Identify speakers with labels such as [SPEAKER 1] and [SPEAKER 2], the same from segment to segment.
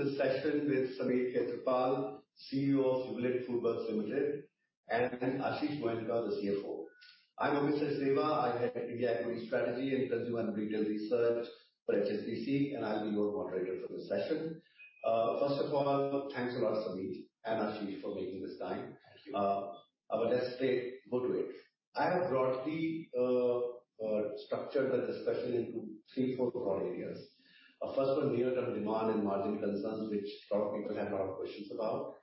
[SPEAKER 1] Hello, everyone. Welcome to this session with Sameer Khetarpal, CEO of Jubilant FoodWorks Limited, and Ashish Goenka, the CFO. I'm Amit Sachdeva. I head India Equity Strategy and Consumer and Retail Research for HSBC. I'll be your moderator for this session. First of all, thanks a lot, Sameer and Ashish, for making this time.
[SPEAKER 2] Thank you.
[SPEAKER 1] Let's straight go to it. I have broadly structured our discussion into three, four broad areas. First one, near-term demand and margin concerns, which a lot of people had a lot of questions about.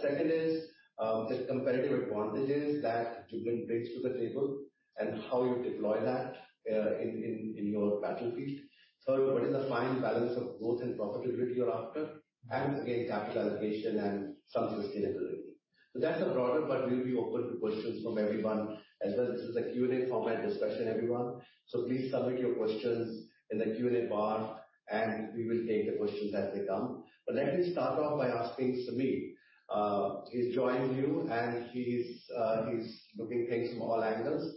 [SPEAKER 1] Second is, the competitive advantages that Jubilant brings to the table and how you deploy that in your battlefield. Third, what is the fine balance of growth and profitability you're after, and again, capital allocation and some sustainability. That's the broader, but we'll be open to questions from everyone as well. This is a Q&A format discussion, everyone, so please submit your questions in the Q&A bar, and we will take the questions as they come. Let me start off by asking Sameer. He's joined you, and he's looking things from all angles.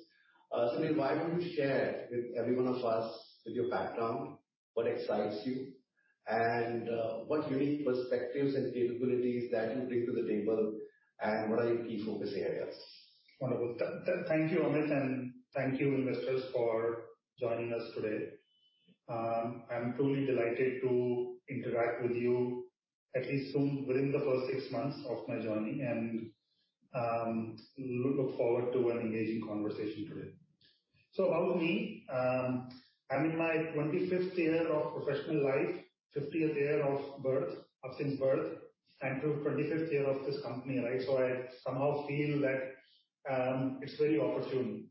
[SPEAKER 1] Sameer, why don't you share with every one of us with your background, what excites you, and what unique perspectives and capabilities that you bring to the table, and what are your key focus areas?
[SPEAKER 2] Wonderful. Thank you, Amit, and thank you, investors, for joining us today. I'm truly delighted to interact with you at least soon within the first six months of my journey and look forward to an engaging conversation today. About me, I'm in my 25th year of professional life, 50th year of birth, of since birth, and through 25th year of this company, right? I somehow feel that it's very opportune.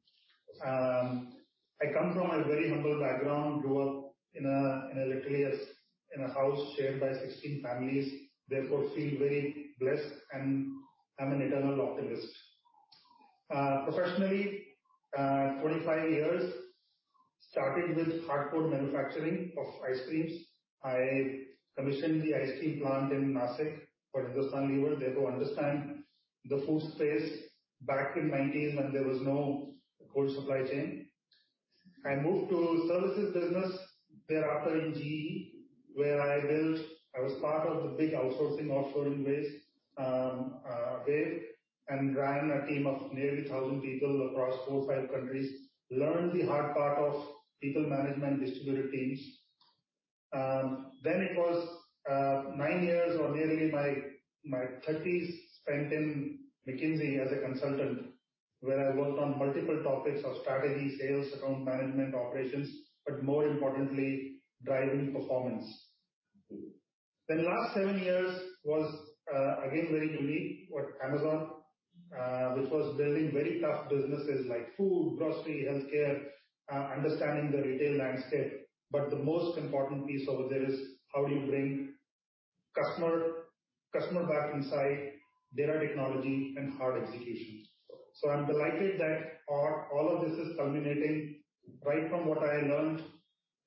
[SPEAKER 2] I come from a very humble background, grew up in a, in a literally a house shared by 16 families, therefore feel very blessed, and I'm an eternal optimist. Professionally, 25 years, started with hardcore manufacturing of ice creams. I commissioned the ice cream plant in Nashik for Hindustan Unilever, therefore understand the food space back in 19 when there was no cold supply chain. I moved to services business thereafter in GE, where I was part of the big outsourcing offer in ways there, and ran a team of nearly 1,000 people across four, five countries. Learned the hard part of people management, distributed teams. It was nine years or nearly my thirties spent in McKinsey as a consultant, where I worked on multiple topics of strategy, sales, account management, operations, but more importantly, driving performance. Last seven years was again very unique with Amazon, which was building very tough businesses like food, grocery, healthcare, understanding the retail landscape. The most important piece over there is how do you bring customer back inside data technology and hard executions. I'm delighted that all of this is culminating right from what I learned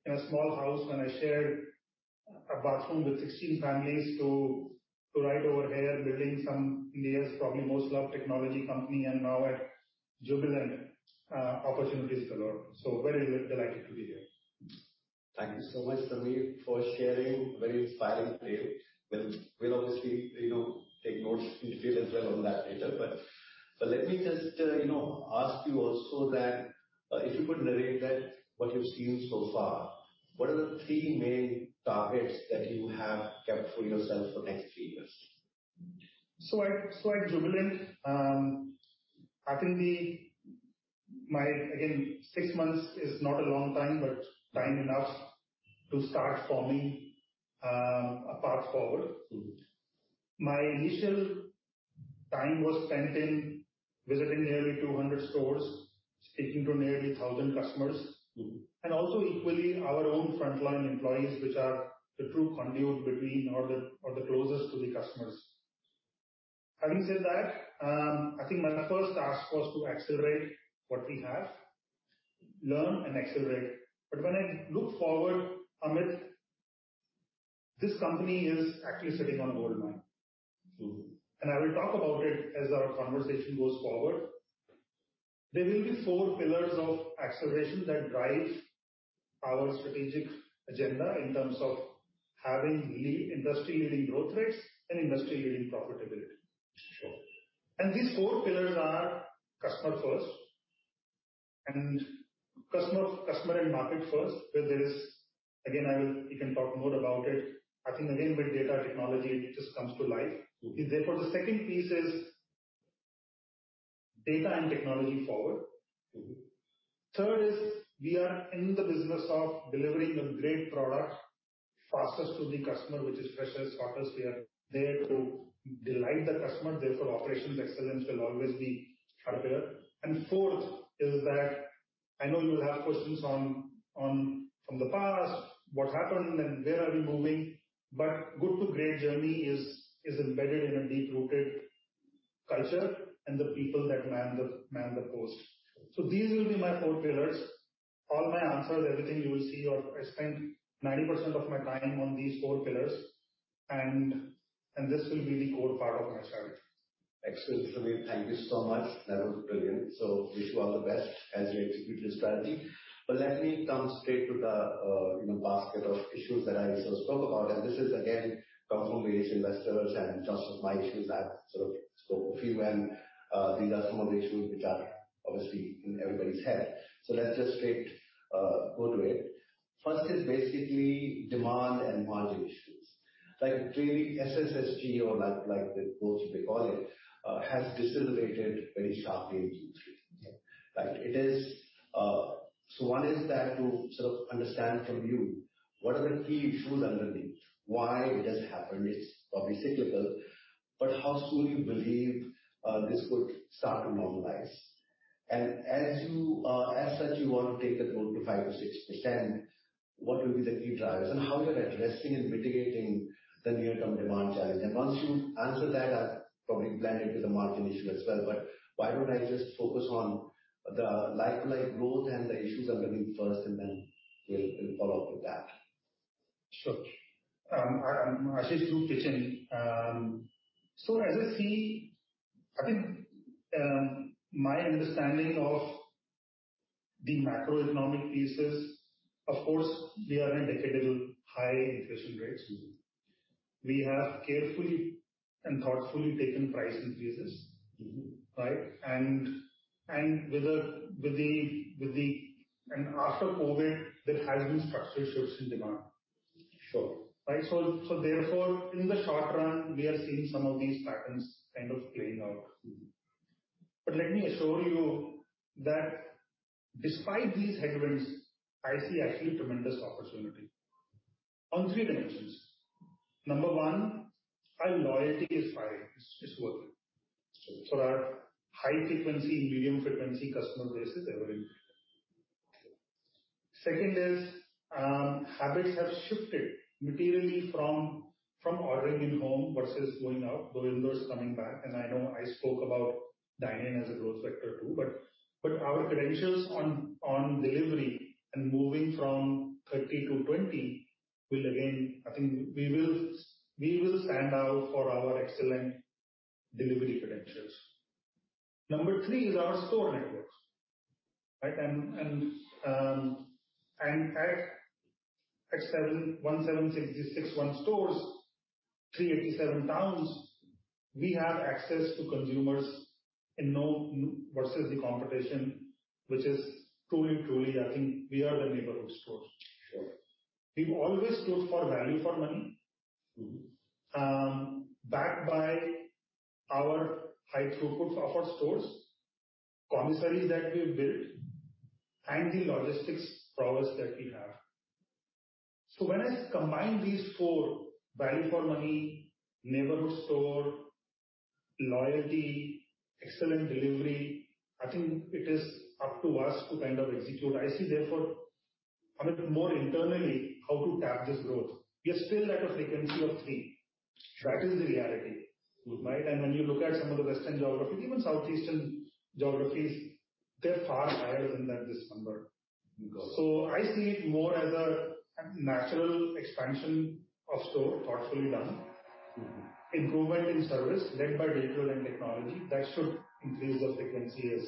[SPEAKER 2] in a small house when I shared a bathroom with 16 families to right over here building some India's probably most loved technology company and now at Jubilant. Opportunities galore. Very delighted to be here.
[SPEAKER 1] Thank you so much, Sameer, for sharing. A very inspiring tale. We'll obviously, you know, take notes individually as well on that later. Let me just, you know, ask you also that if you could narrate that what you've seen so far, what are the three main targets that you have kept for yourself for next three years?
[SPEAKER 2] At Jubilant, I think the, My, again, six months is not a long time, but time enough to start forming, a path forward. My initial time was spent in visiting nearly 200 stores, speaking to nearly 1,000 customers. Also equally our own frontline employees, which are the true conduit between, or the, or the closest to the customers. Having said that, I think my first task was to accelerate what we have. Learn and accelerate. When I look forward, Amit, this company is actually sitting on a goldmine. I will talk about it as our conversation goes forward. There will be four pillars of acceleration that drive our strategic agenda in terms of having industry-leading growth rates and industry-leading profitability.
[SPEAKER 1] Sure.
[SPEAKER 2] These four pillars are customer first and customer and market first, where there is. Again, we can talk more about it. I think again, with data technology, it just comes to life. The second piece is data and technology forward. Third is we are in the business of delivering a great product fastest to the customer, which is freshest, hottest. We are there to delight the customer, therefore operations excellence will always be harder. Fourth is that I know you'll have questions on, from the past, what happened and where are we moving, but good to great journey is embedded in a deep-rooted culture and the people that man the post. These will be my four pillars. All my answers, everything you will see or I spend 90% of my time on these four pillars and this will be the core part of my strategy.
[SPEAKER 1] Excellent, Sameer. Thank you so much. That was brilliant. Wish you all the best as you execute this strategy. Let me come straight to the, you know, basket of issues that I also spoke about. This is, again, comes from various investors and in terms of my issues, I've sort of spoke a few and these are some of the issues which are obviously in everybody's head. Let's just straight go to it. First is basically demand and margin issues. Like clearly SSSG or like the quotes they call it, has decelerated very sharply in Q3.
[SPEAKER 2] Yeah.
[SPEAKER 1] Like it is. One is that to sort of understand from you, what are the key issues underneath, why it has happened? It's probably cyclical, but how soon you believe this could start to normalize? As you, as such, you want to take the growth to 5-6%, what will be the key drivers and how you're addressing and mitigating the near-term demand challenge? Once you answer that, I'll probably blend it with the margin issue as well. Why don't I just focus on the LFL growth and the issues underneath first, and then we'll follow up with that?
[SPEAKER 2] Sure. I, Ashish do pitch in. As I see, I think, my understanding of the macroeconomic pieces, of course, we are in decade-high inflation rates. We have carefully and thoughtfully taken price increases. Right? After COVID, there has been structural shifts in demand.
[SPEAKER 1] Sure.
[SPEAKER 2] Right? Therefore, in the short run we are seeing some of these patterns kind of playing out. Let me assure you that despite these headwinds, I see actually tremendous opportunity on 3 dimensions. Number one, our loyalty is firing. It's working.
[SPEAKER 1] Sure.
[SPEAKER 2] Our high-frequency and medium-frequency customer base is ever increasing. Second is, habits have shifted materially from ordering in home versus going out, though indoors is coming back, and I know I spoke about dine-in as a growth sector too, but our credentials on delivery and moving from 30-20 will again, I think we will stand out for our excellent delivery credentials. Number three is our store networks, right. At 7,176.61 stores, 387 towns, we have access to consumers versus the competition, which is truly, I think we are the neighborhood stores.
[SPEAKER 1] Sure.
[SPEAKER 2] We've always stood for value for money. Backed by our high throughput of our stores, commissaries that we've built, and the logistics prowess that we have. When I combine these four: value for money, neighborhood store, loyalty, excellent delivery, I think it is up to us to kind of execute. I see therefore, a little more internally how to tap this growth. We are still at a frequency of 3.
[SPEAKER 1] Sure.
[SPEAKER 2] That is the reality.
[SPEAKER 1] Good.
[SPEAKER 2] Right? When you look at some of the western geographies, even southeastern geographies, they're far higher than that, this number.
[SPEAKER 1] Okay.
[SPEAKER 2] I see it more as a natural expansion of store thoughtfully done. Improvement in service led by digital and technology, that should increase the frequency as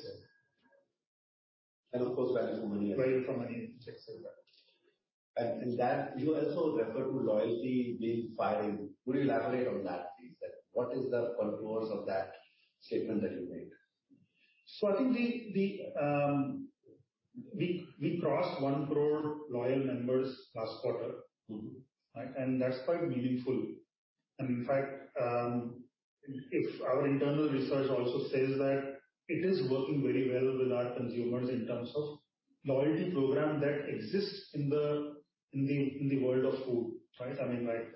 [SPEAKER 2] well.
[SPEAKER 1] Of course, value for money.
[SPEAKER 2] Value for money, et cetera.
[SPEAKER 1] That you also refer to loyalty being firing. Could you elaborate on that please? Like, what is the contours of that statement that you made?
[SPEAKER 2] I think the, we crossed 1 crore loyal members last quarter. Right? That's quite meaningful. In fact, if our internal research also says that it is working very well with our consumers in terms of loyalty program that exists in the world of food, right? I mean, like,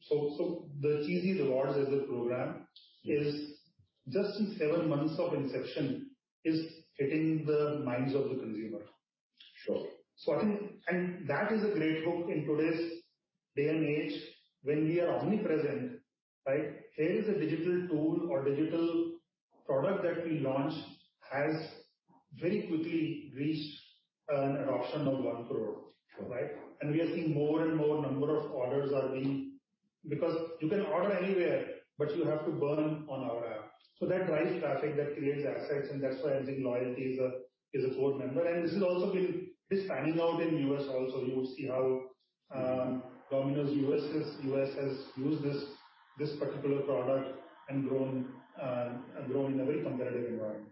[SPEAKER 2] so the Cheesy Rewards as a program is just in seven months of inception is hitting the minds of the consumer.
[SPEAKER 1] Sure.
[SPEAKER 2] I think. That is a great hook in today's day and age when we are omnipresent, right? There is a digital tool or digital product that we launched has very quickly reached an adoption of 1 crore.
[SPEAKER 1] Sure.
[SPEAKER 2] Right? We are seeing more and more number of orders are being. Because you can order anywhere, but you have to burn on our app. That drives traffic, that creates assets, and that's why I think loyalty is a core member. This is also been panning out in U.S. also. You would see how. Domino's U.S. has used this particular product and grown in a very competitive environment.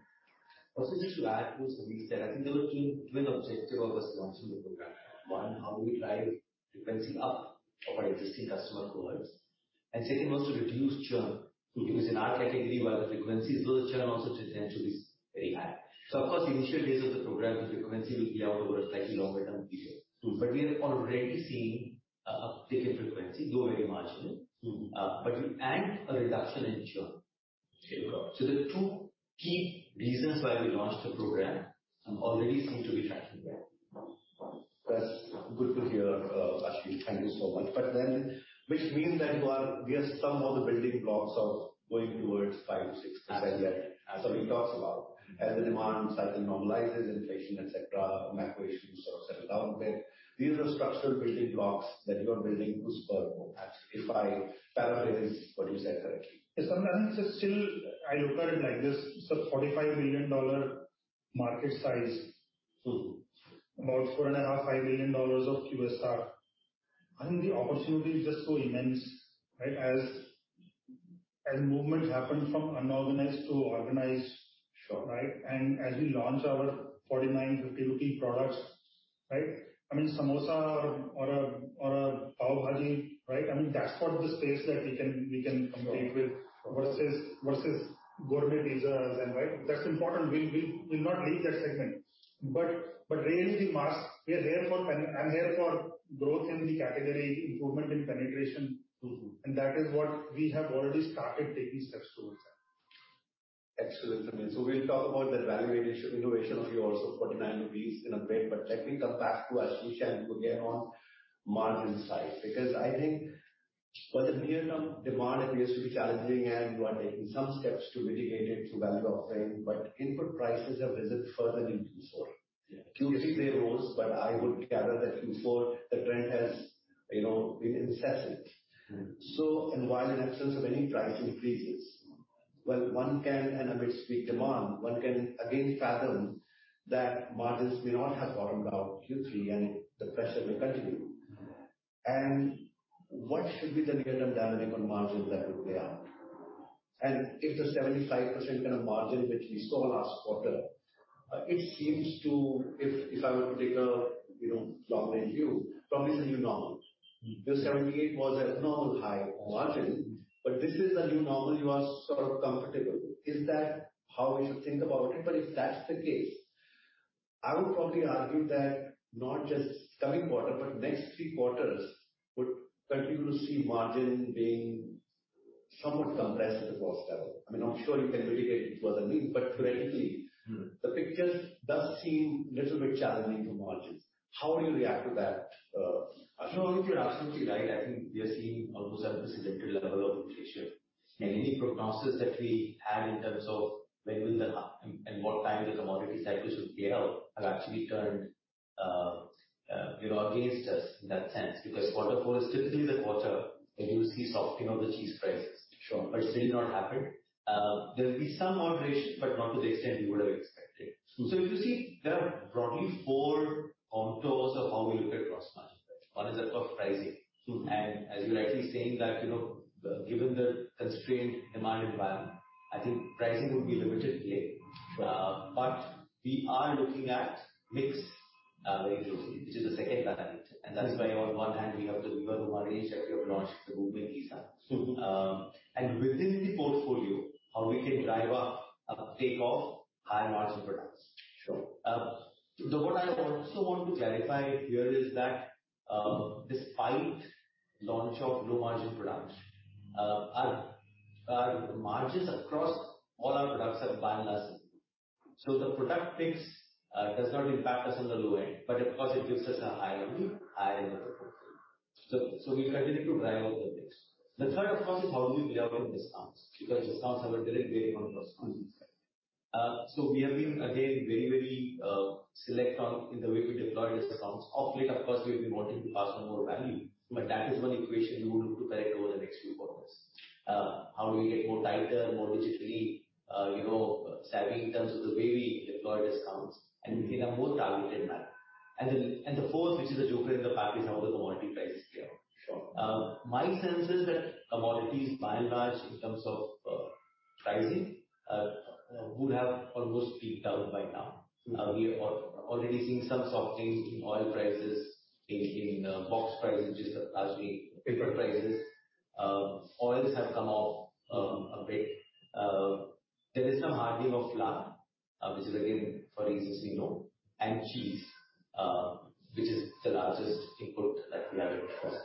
[SPEAKER 3] Also just to add to Sameer's that I think there were two main objective of this launching the program. One, how do we drive frequency up of our existing customer cohorts? Second was to reduce churn, because in our category, where the frequency is low, the churn also tends to be very high. Of course, the initial days of the program, the frequency will be out over a slightly longer term period. We are already seeing a uptick in frequency, though very marginal. A reduction in churn.
[SPEAKER 1] Very good.
[SPEAKER 3] The two key reasons why we launched the program, already seem to be tracking well.
[SPEAKER 1] That's good to hear, Ashish. Thank you so much. Which means that We are some of the building blocks of going towards 5-6%, as Amit talks about, as the demand cycle normalizes, inflation, et cetera, macro issues sort of settle down a bit. These are the structural building blocks that you are building to spur more action. If I paraphrase what you said correctly.
[SPEAKER 2] Yes, Sanjam. I mean, I look at it like this. It's a $45 billion market size. About four and a $500million of QSR. I think the opportunity is just so immense, right? As movement happened from unorganized to organized.
[SPEAKER 1] Sure.
[SPEAKER 2] Right? As we launch our 49, 50 rupee products, right? I mean, samosa or a pav bhaji, right? I mean, that's what the space that we can.
[SPEAKER 1] Sure.
[SPEAKER 2] -compete with versus gourmet pizzas and Right? That's important. We'll not leave that segment. Really the mass, we are here for I'm here for growth in the category, improvement in penetration. That is what we have already started taking steps towards that.
[SPEAKER 1] Excellent, Samir. We'll talk about that value addition, innovation of yours of 49 rupees in a bit, but let me come back to Ashish and to get on margin size. I think for the near-term, demand appears to be challenging, and you are taking some steps to mitigate it through value offering, but input prices have risen further in Q4.
[SPEAKER 3] Yeah.
[SPEAKER 1] Q3 they rose, but I would gather that Q4 the trend has, you know, been incessant. While in absence of any price increases, well, one can, and Amit speak demand, one can again fathom that margins may not have bottomed out Q3 and the pressure will continue. What should be the near-term dynamic on margin that would play out? If the 75% kind of margin which we saw last quarter, it seems to, if I were to take a, you know, long view, probably is a new normal. The 78 was an abnormal high on margin, but this is the new normal you are sort of comfortable. Is that how we should think about it? If that's the case, I would probably argue that not just coming quarter, but next 3Q would continue to see margin being somewhat compressed at the cost level. I mean, I'm sure you can mitigate through other means, but theoretically. The picture does seem little bit challenging for margins. How do you react to that?
[SPEAKER 3] No, I think your assessment is right. I think we are seeing almost at the cyclical level of inflation. Any prognosis that we had in terms of what time the commodity cycles will play out, have actually turned, you know, against us in that sense. Because quarter four is typically the quarter where you see softening of the cheese prices.
[SPEAKER 1] Sure.
[SPEAKER 3] It's really not happened. There'll be some moderation, but not to the extent we would have expected. If you see, there are broadly 4 contours of how we look at gross margin. One is of course pricing. As you're rightly saying that, you know, given the constrained demand environment, I think pricing will be a limited play. We are looking at mix, very closely, which is the second lever. That is why on one hand, we have the Vada Pav Range that we have launched, the Gourmet Pizza. Within the portfolio, how we can drive up uptake of higher margin products.
[SPEAKER 1] Sure.
[SPEAKER 3] What I also want to clarify here is that, despite launch of low margin products, our margins across all our products are by and large improving. The product mix does not impact us on the low end, but of course it gives us a higher view, higher end of the portfolio. We continue to drive out the mix. The third, of course, is how do we play out on discounts, because discounts have a direct bearing on gross margin. We have been again, very, very, select on in the way we deploy discounts. Of late, of course, we've been wanting to pass on more value, but that is one equation we would look to correct over the next few quarters. How do we get more tighter, more digitally, you know, savvy in terms of the way we deploy discounts and in a more targeted manner. The fourth, which is the joker in the pack, is how the commodity prices play out.
[SPEAKER 1] Sure.
[SPEAKER 3] My sense is that commodities by and large in terms of pricing would have almost peaked out by now. We have already seen some softening in oil prices, in, box prices, which is actually paper prices. Oils have come off, a bit. There is some hardening of flour, which is again for reasons we know, and cheese, which is the largest input that we have at cost.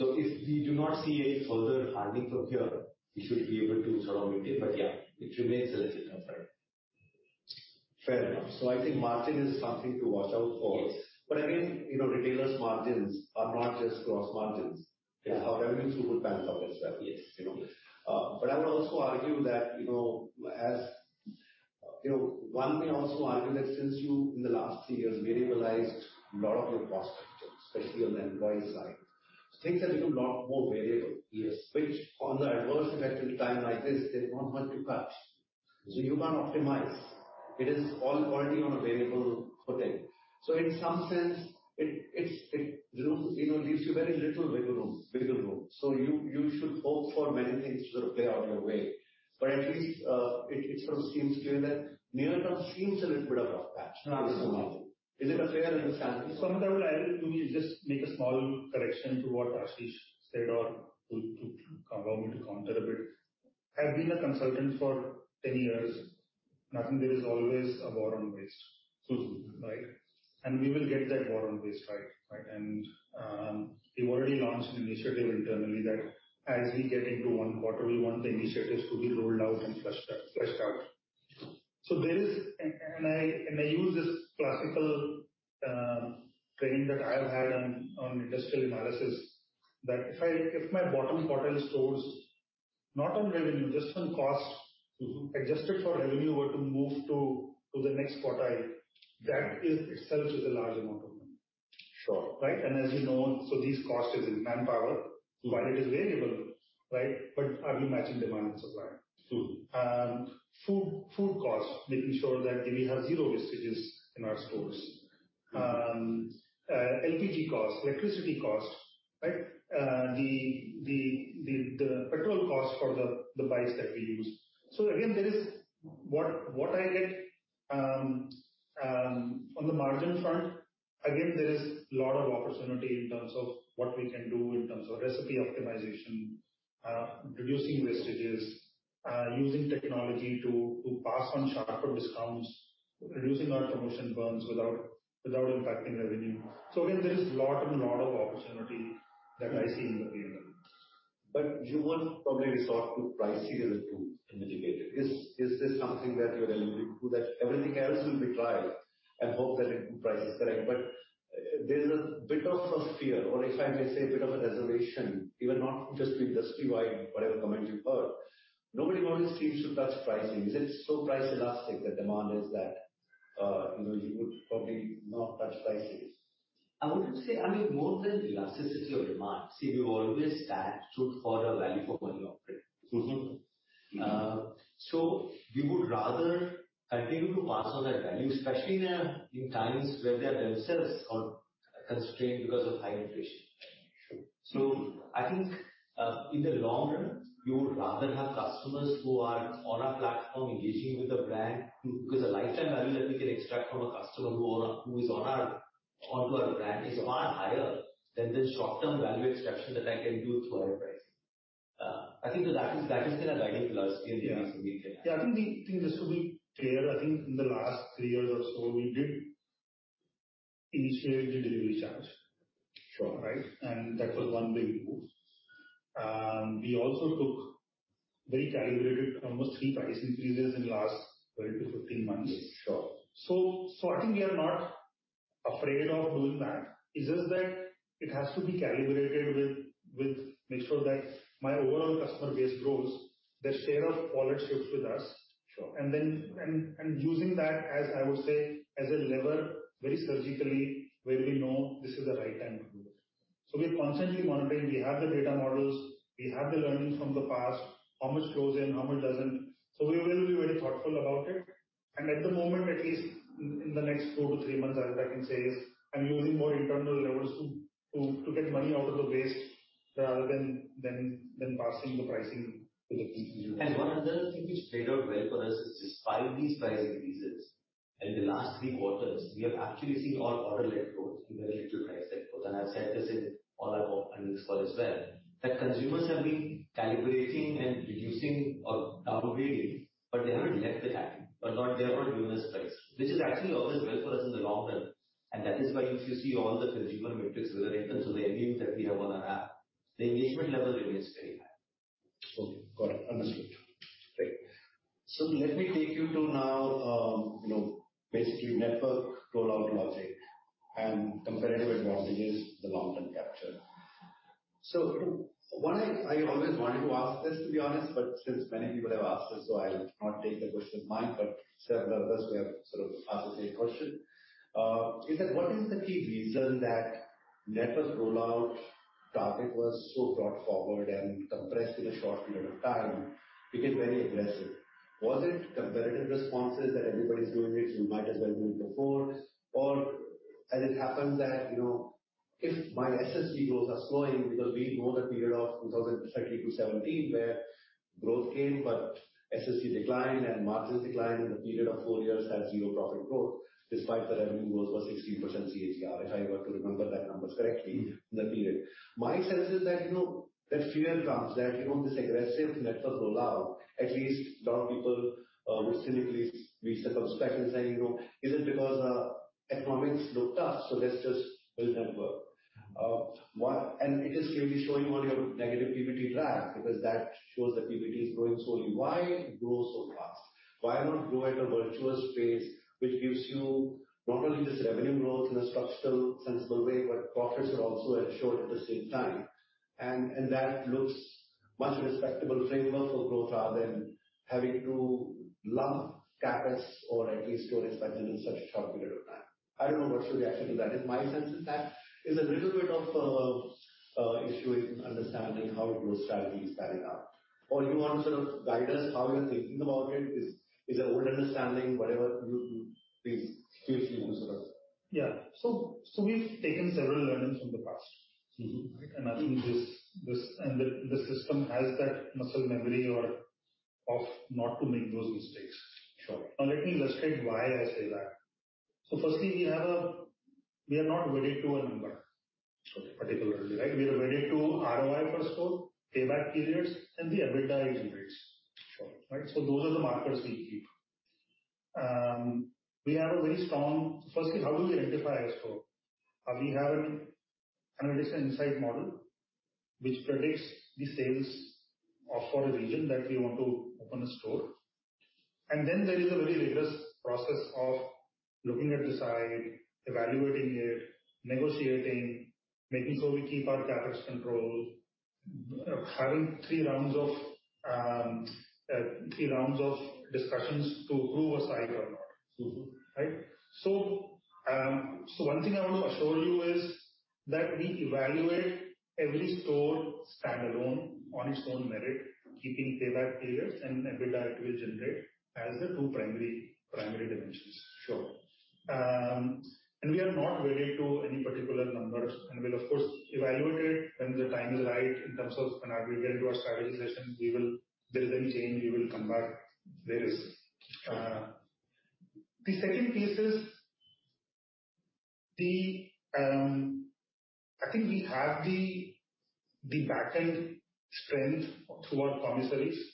[SPEAKER 3] If we do not see any further hardening from here, we should be able to sort of maintain. Yeah, it remains a little tough, right.
[SPEAKER 1] Fair enough. I think margin is something to watch out for.
[SPEAKER 3] Yes.
[SPEAKER 1] Again, you know, retailers' margins are not just gross margins.
[SPEAKER 3] Yeah.
[SPEAKER 1] Our revenue suit will balance off as well.
[SPEAKER 3] Yes.
[SPEAKER 1] You know?
[SPEAKER 3] Yes.
[SPEAKER 1] I would also argue that, you know, as, you know, one may also argue that since you in the last three years variable-sized a lot of your cost structure, especially on the employee side, things have become a lot more variable.
[SPEAKER 3] Yes.
[SPEAKER 1] Which on the adverse effect in time like this, there's not much you can do. You can't optimize. It is all already on a variable footing. In some sense, it, you know, leaves you very little wiggle room. You should hope for many things to sort of play out your way. At least, it sort of seems clear that near term seems a little bit of rough patch.
[SPEAKER 3] Not so much.
[SPEAKER 1] Is it a fair understanding?
[SPEAKER 2] Sanjam, to just make a small correction to what Ashish Goenka said or to allow me to counter a bit. Having been a consultant for 10 years, I think there is always a bottom base. Right? We will get that bottom base right. Right? We've already launched an initiative internally that as we get into 1Q, we want the initiatives to be rolled out and fleshed out. I use this classical training that I've had on industrial analysis. That if my bottom quartile stores, not on revenue, just on cost- Adjusted for revenue were to move to the next quartile, that is itself is a large amount of money.
[SPEAKER 1] Sure.
[SPEAKER 2] Right? As you know, these cost is in manpower. While it is variable, right? Are we matching demand and supply?
[SPEAKER 1] True.
[SPEAKER 2] Food, food costs, making sure that we have zero wastages in our stores. LPG costs, electricity costs, right? The petrol costs for the bikes that we use. Again, there is what I get on the margin front, again, there is a lot of opportunity in terms of what we can do in terms of recipe optimization, reducing wastages, using technology to pass on sharper discounts, reducing our promotion burns without impacting revenue. Again, there is lot and lot of opportunity that I see in the PNL.
[SPEAKER 1] You won't probably resort to pricing as a tool to mitigate it.
[SPEAKER 2] Yes.
[SPEAKER 1] Is this something that you're willing to do that everything else will be tried and hope that it improves prices? Correct. There's a bit of a fear, or if I may say, a bit of a reservation, even not just with industry-wide, whatever comment you've heard. Nobody wants to touch pricing. Is it so price elastic that demand is that, you know, you would probably not touch pricing?
[SPEAKER 2] I wouldn't say, I mean, more than elasticity of demand, see, we've always stood for a value for money operator. We would rather continue to pass on that value, especially in times where they're themselves are constrained because of high inflation.
[SPEAKER 1] Sure.
[SPEAKER 2] I think, in the long run, you would rather have customers who are on our platform engaging with the brand because the lifetime value that we can extract from a customer who is onto our brand is far higher than the short-term value extraction that I can do through higher pricing. I think that is been a guiding philosophy.
[SPEAKER 1] Yeah.
[SPEAKER 2] will remain fair. Yeah. I think just to be clear, I think in the last three years or so, we did initiate the delivery charge.
[SPEAKER 1] Sure.
[SPEAKER 2] Right? That was one big move. We also took very calibrated almost three price increases in the last 12-15 months.
[SPEAKER 1] Yes, sure.
[SPEAKER 2] I think we are not afraid of doing that. It's just that it has to be calibrated with make sure that my overall customer base grows, their share of wallet shifts with us.
[SPEAKER 1] Sure.
[SPEAKER 2] Using that as, I would say, as a lever very surgically when we know this is the right time to do it. We're constantly monitoring. We have the data models, we have the learnings from the past, how much goes in, how much doesn't. We will be very thoughtful about it. At the moment, at least in the next two to three months, all that I can say is I'm using more internal levers to get money out of the base rather than passing the pricing to the consumer.
[SPEAKER 3] One other thing which played out well for us is despite these price increases in the last 3Q, we have actually seen our order-led growth, even if little price-led growth. I've said this in all our earnings call as well, that consumers have been calibrating and reducing or downgrading, but they haven't left the app. They're not giving us price, which is actually always well for us in the long run, and that is why if you see all the consumer metrics relating to the AMUs that we have on our app, the engagement level remains very high.
[SPEAKER 1] Okay. Got it. Understood. Great. Let me take you to now, you know, basically network rollout logic and comparative advantages, the long-term capture. What I always wanted to ask this, to be honest, but since many people have asked this, so I will not take the credit as mine, but several others may have sort of asked the same question. Is that what is the key reason that network rollout target was so brought forward and compressed in a short period of time, became very aggressive? Was it competitive responses that everybody's doing it, so you might as well do it before? Has it happened that, you know, if my SSC goals are slowing, because we know the period of 2013-2017 where growth came but SSC declined and margins declined, and the period of four years had zero profit growth despite the revenue growth was 16% CAGR, if I were to remember that number correctly in that period? My sense is that, you know, that fear drums that, you know, this aggressive network rollout, at least lot of people will cynically be circumspect in saying, you know, is it because economics looked tough, so let's just build network? It is really showing on your negative PBT drag because that shows that PBT is growing slowly. Why grow so fast? Why not grow at a virtuous pace which gives you not only just revenue growth in a structural sensible way, but profits are also ensured at the same time. That looks much respectable framework for growth rather than having to lump CapEx or at least your expenditure in such a short period of time. I don't know what's your reaction to that. In my sense is that is a little bit of issue in understanding how your growth strategy is carried out. You want to sort of guide us how you are thinking about it. Is it old understanding? Whatever you feel, please feel free to sort of...
[SPEAKER 2] Yeah. We've taken several learnings from the past. I think this, and the system has that muscle memory of not to make those mistakes.
[SPEAKER 1] Sure.
[SPEAKER 2] Now, let me illustrate why I say that. Firstly, we are not wedded to a number.
[SPEAKER 1] Okay.
[SPEAKER 2] Particularly, right? We are wedded to ROI per store, payback periods, and the EBITDA yields.
[SPEAKER 1] Sure.
[SPEAKER 2] Right? Those are the markers we keep. We have a very strong... Firstly, how do we identify a store? We have an analytics insight model which predicts the sales for a region that we want to open a store. And then there is a very rigorous process of looking at the site, evaluating it, negotiating, making sure we keep our CapEx controls. Having three rounds of discussions to approve a site or not. Right? One thing I want to assure you is that we evaluate every store standalone on its own merit, keeping payback periods and EBITDA it will generate as the two primary dimensions.
[SPEAKER 1] Sure.
[SPEAKER 2] We are not wedded to any particular numbers, and we'll of course evaluate it when the time is right in terms of when we get into our strategy session, there is a change, we will come back. The second piece is I think we have the backend strength through our commissaries.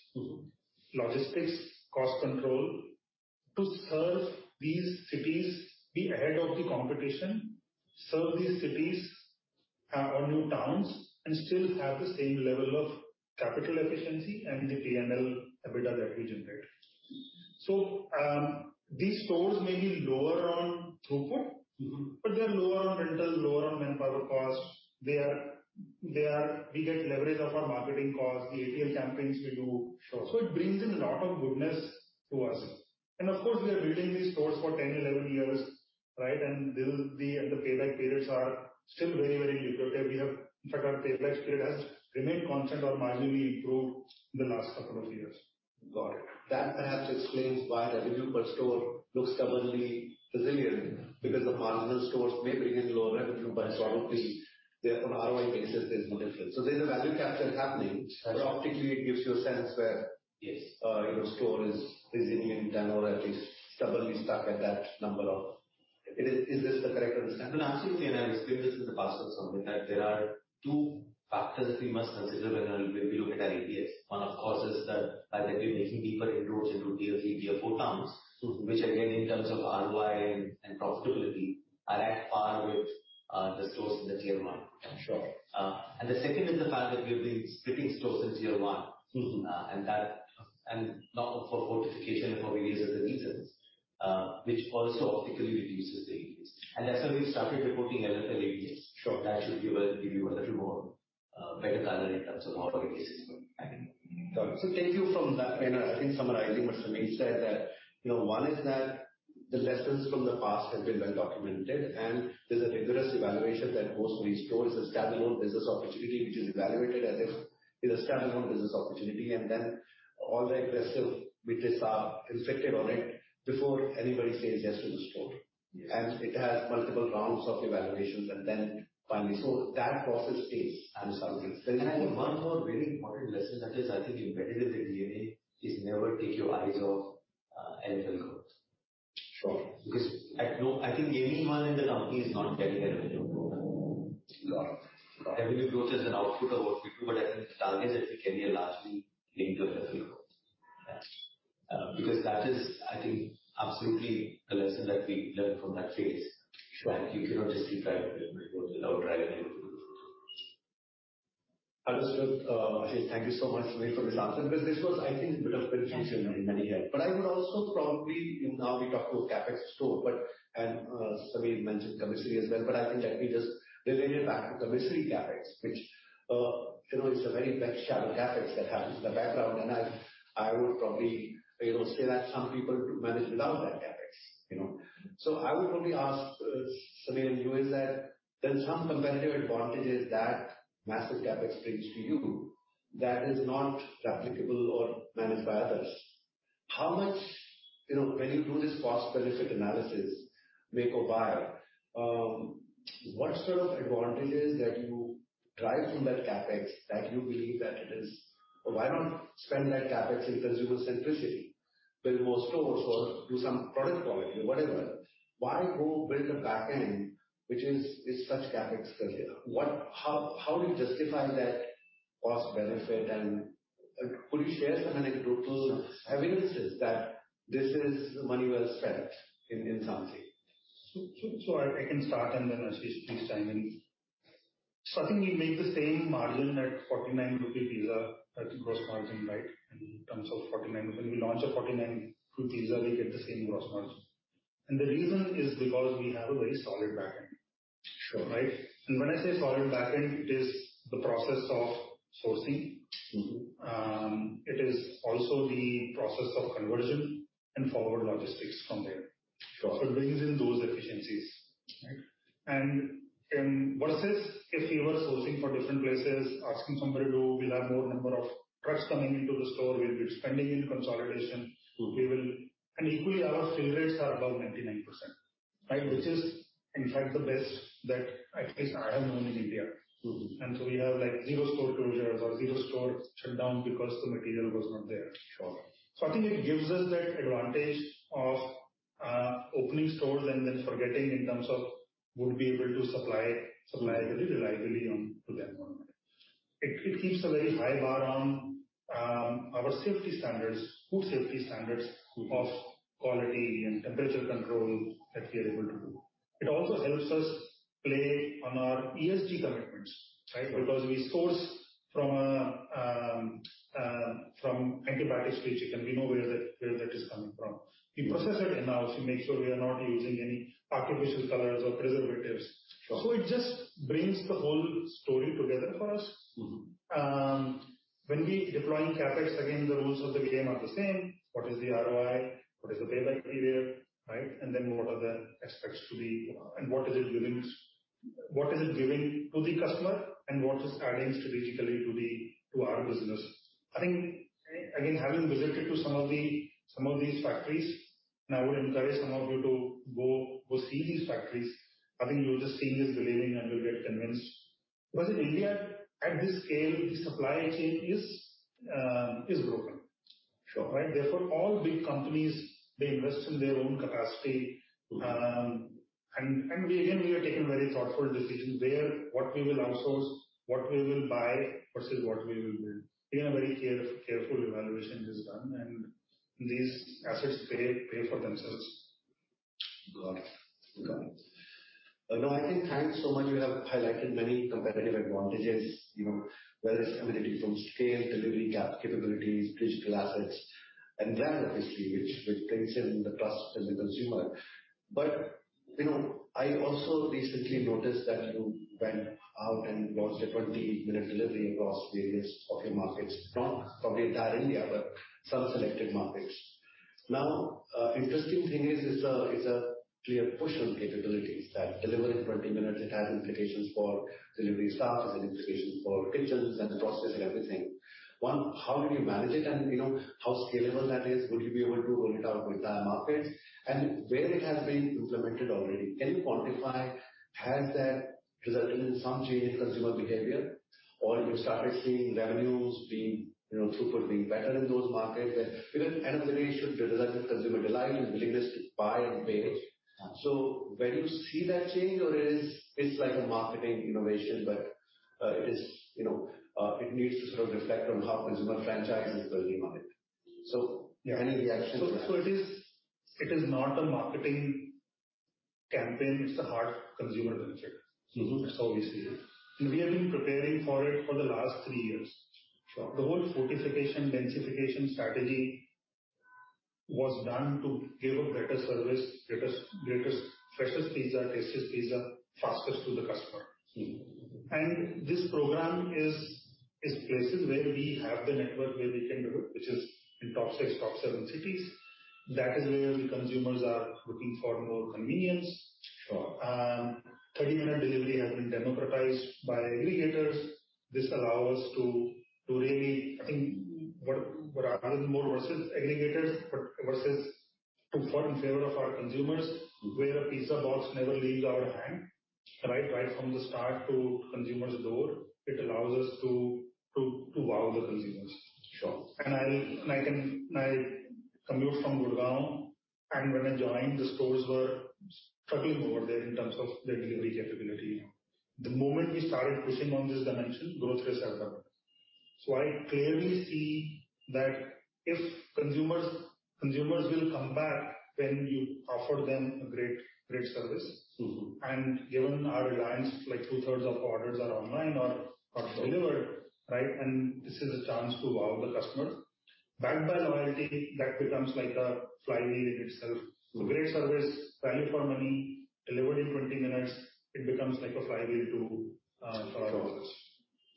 [SPEAKER 2] Logistics, cost control to serve these cities, be ahead of the competition, serve these cities or new towns, and still have the same level of capital efficiency and the P&L EBITDA that we generate. These stores may be lower on throughput. They are lower on rentals, lower on manpower costs. We get leverage of our marketing costs, the ATL campaigns we do.
[SPEAKER 1] Sure.
[SPEAKER 2] It brings in a lot of goodness to us. Of course, we are building these stores for 10, 11 years, right? The payback periods are still very, very lucrative. In fact, our payback period has remained constant or marginally improved in the last couple of years.
[SPEAKER 1] Got it. That perhaps explains why revenue per store looks stubbornly resilient, because the marginal stores may bring in lower revenue, but probably they're on ROI basis, there's no difference. There's a value capture happening.
[SPEAKER 2] There is.
[SPEAKER 1] optically it gives you a sense where...
[SPEAKER 2] Yes.
[SPEAKER 1] Your store is resilient and/or at least stubbornly stuck at that number of... Is this the correct understanding?
[SPEAKER 3] Well, absolutely, and I've explained this in the past as well, that there are two factors that we must consider when we look at REPS. One of course, is that we're making deeper inroads into tier three, tier four towns. Which again, in terms of ROI and profitability are at par with the stores in the tier one.
[SPEAKER 1] Sure.
[SPEAKER 3] The second is the fact that we have been splitting stores in tier one. That and not for fortification, but for release of the leases, which also optically reduces the AEPS. That's why we started reporting LFL AEPS.
[SPEAKER 1] Sure.
[SPEAKER 3] That should give a, give you a little more better color in terms of how
[SPEAKER 1] Got it. Take you from that, and I think summarizing what Sameer said, that, you know, one is that the lessons from the past have been well documented, and there's a rigorous evaluation that goes for each store. It's a standalone business opportunity which is evaluated as if it's a standalone business opportunity, and then all the aggressive metrics are inflicted on it before anybody says yes to the store.
[SPEAKER 3] Yes.
[SPEAKER 1] It has multiple rounds of evaluations and then finally. That process stays. Secondly
[SPEAKER 3] I think one more very important lesson that is I think embedded in the DNA is never take your eyes off, LFL growth.
[SPEAKER 1] Sure.
[SPEAKER 3] No, I think anyone in the company is not getting a revenue growth.
[SPEAKER 1] Got it. Got it.
[SPEAKER 3] Revenue growth is an output of what we do, but I think the targets at the KRA largely linked with LFL growth.
[SPEAKER 1] Got you.
[SPEAKER 3] That is, I think, absolutely the lesson that we learned from that phase.
[SPEAKER 1] Sure.
[SPEAKER 3] That you cannot just keep driving revenue growth without driving LFL growth.
[SPEAKER 1] Understood. Ashish, thank you so much for this answer because this was, I think, bit of penetration in many areas. I would also probably, now we talked about CapEx store, and Sameer mentioned commissary as well, but I think let me just relate it back to commissary CapEx, which, you know, is a very bench shallow CapEx that happens in the background. I would probably, you know, say that some people manage without that CapEx, you know. I would probably ask Sameer and you is that there's some competitive advantages that massive CapEx brings to you that is not replicable or managed by others. How much, you know, when you do this cost benefit analysis, make or buy, what sort of advantages that you derive from that CapEx that you believe that it is... Why not spend that CapEx in consumer centricity, build more stores or do some product quality or whatever. Why go build a back end which is such CapEx heavy? How do you justify that cost benefit and could you share some anecdotal evidences that this is money well spent in some sense?
[SPEAKER 2] I can start. Then Ashish, please chime in. I think we make the same margin at 49 rupee pizza at the gross margin, right? In terms of 49. When we launch a 49 rupee pizza, we get the same gross margin. The reason is because we have a very solid back end.
[SPEAKER 1] Sure.
[SPEAKER 2] Right? When I say solid back end, it is the process of sourcing. It is also the process of conversion and forward logistics from there.
[SPEAKER 1] Sure.
[SPEAKER 2] It brings in those efficiencies.
[SPEAKER 1] Right.
[SPEAKER 2] Versus if we were sourcing for different places. We'll have more number of trucks coming into the store. We'll be spending in consolidation. Equally, our fill rates are above 99%, right? Which is in fact the best that at least I have known in India. We have like zero store closures or zero store shutdowns because the material was not there.
[SPEAKER 1] Sure.
[SPEAKER 2] I think it gives us that advantage of opening stores and then forgetting in terms of would be able to supply really reliably on to them. It keeps a very high bar on our safety standards, food safety standards, Quality and temperature control that we are able to do. It also helps us play on our ESG commitments, right.
[SPEAKER 1] Sure.
[SPEAKER 2] Because we source from a, from antibiotic-free chicken. We know where that is coming from. We process it in-house. We make sure we are not using any artificial colors or preservatives.
[SPEAKER 1] Sure.
[SPEAKER 2] It just brings the whole story together for us. When we deploying CapEx, again, the rules of the game are the same. What is the ROI? What is the payback period, right? What are the aspects to the... What is it giving to the customer and what is adding strategically to our business? I think, again, having visited to some of the, some of these factories, and I would encourage some of you to go see these factories. I think you'll just see is believing and will get convinced. Because in India at this scale, the supply chain is broken.
[SPEAKER 1] Sure.
[SPEAKER 2] Right? Therefore, all big companies, they invest in their own capacity. We again, we have taken very thoughtful decisions where, what we will outsource, what we will buy versus what we will build. Again, a very careful evaluation is done and these assets pay for themselves.
[SPEAKER 1] Got it. Got it. No, I think, thanks so much. You have highlighted many competitive advantages, you know, whether it's coming from scale, delivery capabilities, digital assets and brand obviously, which brings in the trust in the consumer. You know, I also recently noticed that you went out and launched a 20- delivery across various of your markets, not probably entire India, but some selected markets. Now, interesting thing is it's a clear push on capabilities that deliver in 20 minutes. It has implications for delivery staff, it has implications for kitchens and processing everything. One, how did you manage it and you know, how scalable that is? Would you be able to roll it out entire markets and where it has been implemented already? Can you quantify, has that resulted in some change in consumer behavior or you started seeing revenues being, you know, throughput being better in those markets? Even end of the day should result in consumer delight and willingness to buy and pay. Where you see that change or it is, it's like a marketing innovation, but it is, you know, it needs to sort of reflect on how consumer franchise is building on it. Any reactions to that?
[SPEAKER 2] It is not a marketing campaign, it's a hard consumer benefit. That's how we see it. We have been preparing for it for the last three years.
[SPEAKER 1] Sure.
[SPEAKER 2] The whole fortification, densification strategy was done to give a better service, greatest, freshest pizza, tastiest pizza, fastest to the customer. This program is places where we have the network where we can do it, which is in top six, top seven cities. That is where the consumers are looking for more convenience.
[SPEAKER 1] Sure.
[SPEAKER 2] 30-minute delivery has been democratized by aggregators. This allow us to really, I think what are more versus aggregators to form favor of our consumers. Where a pizza box never leaves our hand right, from the start to consumer's door. It allows us to wow the consumers.
[SPEAKER 1] Sure.
[SPEAKER 2] I commute from Gurgaon and when I joined the stores were struggling over there in terms of their delivery capability.
[SPEAKER 1] Yeah.
[SPEAKER 2] The moment we started pushing on this dimension, growth has happened. I clearly see that if consumers will come back when you offer them a great service. Given our reliance, like 2/3 of orders are online or delivered, right? This is a chance to wow the customer. Backed by loyalty that becomes like a flywheel in itself. Great service, value for money, delivered in 20 minutes, it becomes like a flywheel.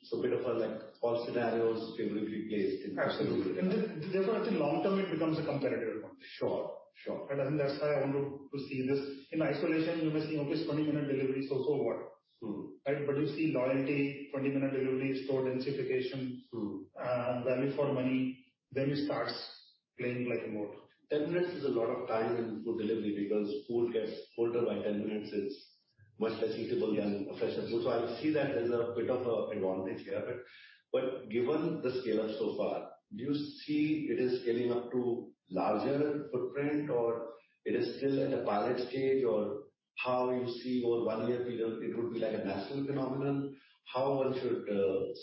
[SPEAKER 1] Sure. bit of a like all scenarios beautifully placed in.
[SPEAKER 2] Absolutely. Therefore I think long term it becomes a competitive advantage.
[SPEAKER 1] Sure, sure.
[SPEAKER 2] I think that's how I want to see this. In isolation you may think, "Okay, 20-minute delivery, so what? Right? You see loyalty, 20-minute delivery, store densification value for money, then it starts playing like a mode.
[SPEAKER 1] 10 minutes is a lot of time in food delivery because food gets colder by 10 minutes, it's much less eatable than a fresher food. I see that as a bit of a advantage here. Given the scale up so far, do you see it is scaling up to larger footprint or it is still at a pilot stage or how you see over one year period it would be like a national phenomenon? How one should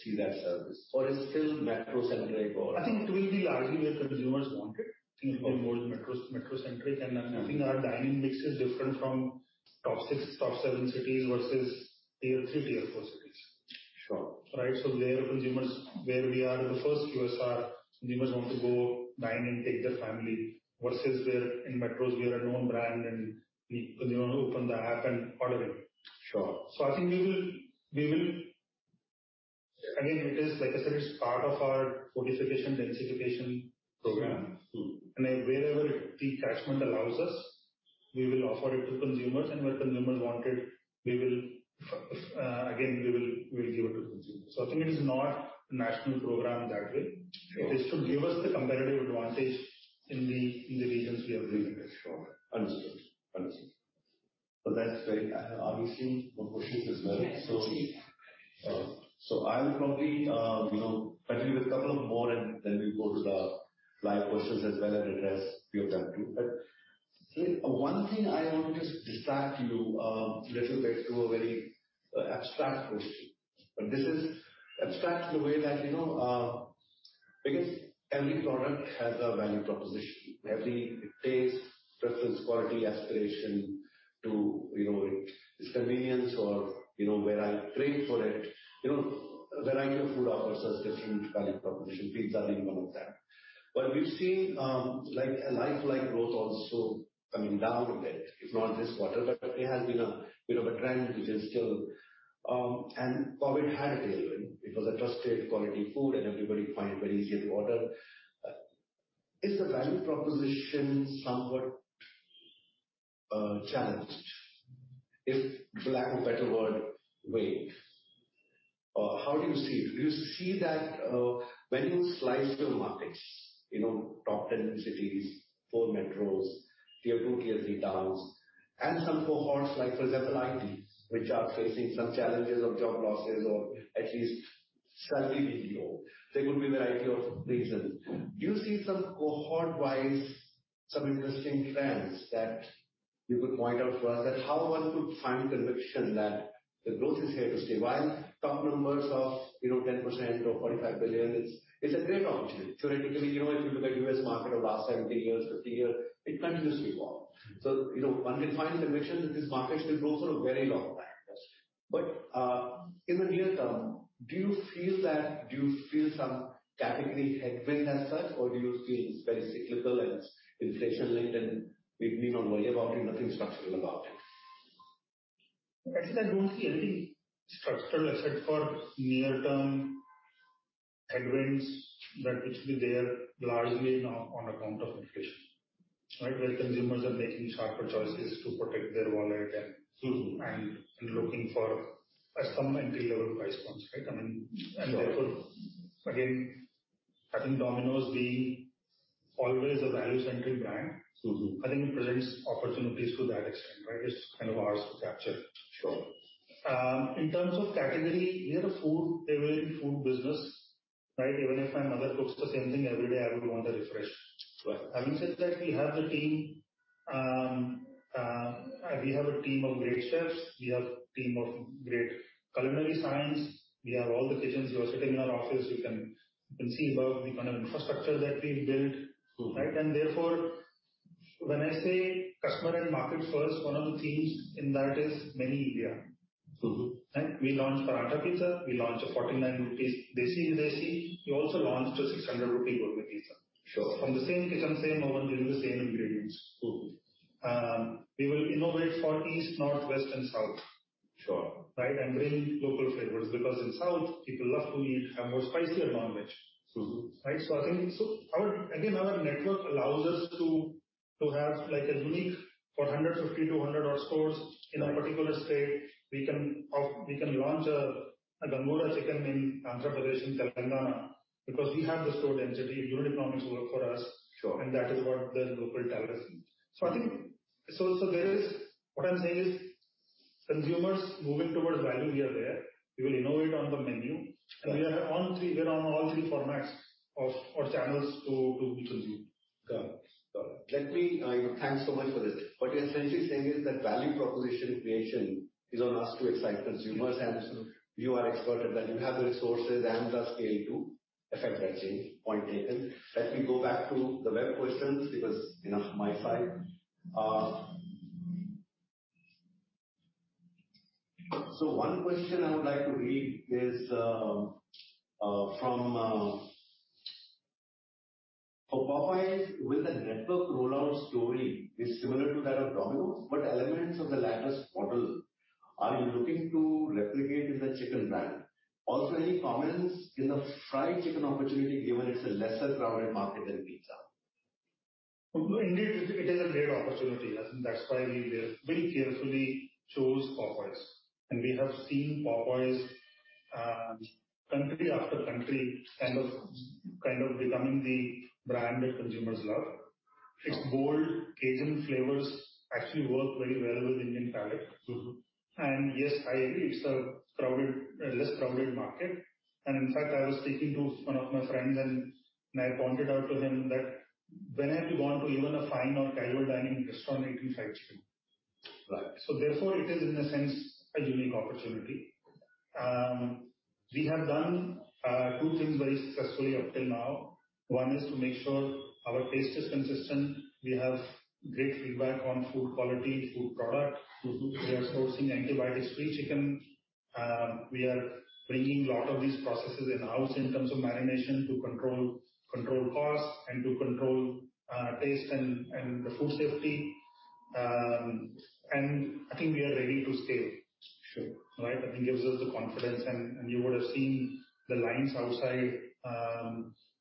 [SPEAKER 1] see that service? Or it's still metro-centric?
[SPEAKER 2] I think it will be largely where consumers want it.
[SPEAKER 1] Okay.
[SPEAKER 2] It will be more metro-centric. I think our dining mix is different from top 6, top 7 cities versus tier 3, tier 4 cities.
[SPEAKER 1] Sure.
[SPEAKER 2] Right? Where consumers, where we are the first QSR, consumers want to go dine and take their family, versus where in metros we are a known brand and the consumer will open the app and order it.
[SPEAKER 1] Sure.
[SPEAKER 2] I think we will. Again, it is, like I said, it's part of our fortification densification program. Wherever the catchment allows us, we will offer it to consumers. Where consumers want it, we will again give it to consumers. I think it is not national program that way.
[SPEAKER 1] Sure.
[SPEAKER 2] It is to give us the competitive advantage in the, in the regions we are delivering.
[SPEAKER 1] Sure. Understood. Understood. Well, that's very... Obviously the question is well I'll probably, you know, continue with a couple of more and then we'll go to the live questions as well and address few of them too. See, one thing I want to distract you, little bit to a very, abstract question. This is abstract in the way that, you know, because every product has a value proposition. Every taste, preference, quality, aspiration to, you know, it's convenience or, you know, where I trade for it. You know, a variety of food offers us different value proposition, pizza being one of them. We've seen, like, a lifelike growth also coming down a bit, if not this quarter, but there has been a bit of a trend which is still, COVID had a tailwind because I trusted quality food and everybody find very easy to order. Is the value proposition somewhat challenged? If, for lack of a better word, vague? How do you see it? Do you see that, when you slice the markets, you know, top 10 cities, four metros, tier 2, tier 3 towns, and some cohorts like, for example, IT, which are facing some challenges of job losses or at least slightly video. There could be a variety of reasons. Do you see some cohort-wise, some interesting trends that you could point out for us that how one could find conviction that the growth is here to stay? While top numbers of, you know, 10% or $45 billion, it's a great opportunity. Theoretically, you know, if you look at US market of last 70 years, 50 years, it continuously grow. You know, one can find conviction that this market will grow for a very long time.
[SPEAKER 2] Yes.
[SPEAKER 1] In the near term, do you feel some category headwind as such, or do you feel it's very cyclical and it's inflation-linked, and we need not worry about it, nothing structural about it?
[SPEAKER 2] I said I don't see anything structural except for near-term headwinds that which be there largely on account of inflation, right? Where consumers are making sharper choices to protect their wallet and..Looking for at some entry-level price points, right? I mean, and therefore, again, I think Domino's being always a value-centric brand. I think it presents opportunities to that extent, right? It's kind of ours to capture.
[SPEAKER 1] Sure.
[SPEAKER 2] In terms of category, we are a food, every food business, right? Even if my mother cooks the same thing every day, I would want a refresh.
[SPEAKER 1] Right.
[SPEAKER 2] Having said that, we have the team, we have a team of great chefs. We have team of great culinary science. We have all the kitchens. You are sitting in our office, you can see above the kind of infrastructure that we've built. Right? Therefore, when I say customer and market first, one of the themes in that is menu India. Right? We launched Paratha Pizza, we launched a 49 rupees Desi Pizza. We also launched a 600 rupee Gourmet Pizza.
[SPEAKER 1] Sure.
[SPEAKER 2] From the same kitchen, same oven, using the same ingredients. We will innovate for east, north, west, and south.
[SPEAKER 1] Sure.
[SPEAKER 2] Right? Bring local flavors because in South people love to eat and more spicier non-veg. Right? I think our, again, our network allows us to have like a unique for 150 to 100 odd stores in a particular state, we can launch a Gongura Chicken in Andhra Pradesh, in Telangana because we have the store density and unit economics work for us.
[SPEAKER 1] Sure.
[SPEAKER 2] That is what the local talent sees. What I'm saying is consumers moving towards value, we are there. We will innovate on the menu.
[SPEAKER 1] Sure.
[SPEAKER 2] We are on three, we're on all three formats of, or channels to consume.
[SPEAKER 1] Got it. Got it. Let me, you know. Thanks so much for this. What you're essentially saying is that value proposition creation is on us to excite consumers, and you are expert at that. You have the resources and the scale to affect that change. Point taken. Let me go back to the web questions because, you know, my side. One question I would like to read is from, "For Popeyes with the network rollout story is similar to that of Domino's, what elements of the latter's model are you looking to replicate in the chicken brand? Also, any comments in the fried chicken opportunity, given it's a lesser crowded market than pizza?
[SPEAKER 2] Indeed, it is a great opportunity. That's why we very carefully chose Popeyes. We have seen Popeyes, country after country, kind of becoming the brand that consumers love. Its bold Cajun flavors actually work very well with Indian palate. Yes, I agree it's a crowded, a less crowded market. In fact, I was speaking to one of my friends and I pointed out to him that whenever you go on to even a fine or casual dining restaurant, it will fight you.
[SPEAKER 1] Right.
[SPEAKER 2] Therefore, it is in a sense, a unique opportunity. We have done two things very successfully up till now. One is to make sure our taste is consistent. We have great feedback on food quality, food product. We are sourcing antibiotics, free chicken. We are bringing lot of these processes in-house in terms of marination to control cost and to control taste and the food safety. I think we are ready to scale.
[SPEAKER 1] Sure.
[SPEAKER 2] Right? I think gives us the confidence. You would have seen the lines outside,